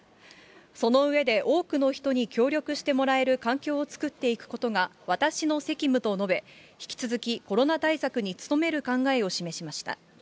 その上で、多くの人に協力してもらえる環境を作っていくことが私の責務と述べ、引き続きコロナ対策に努める考えを示しました。